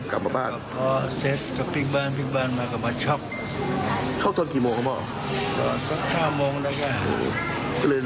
การเชียงละพูน